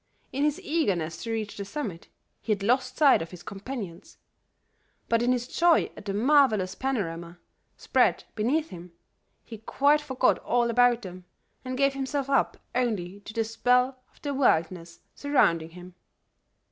In his eagerness to reach the summit he had lost sight of his companions; but in his joy at the marvelous panorama spread beneath him, he quite forgot all about them, and gave himself up only to the spell of the wildness surrounding him.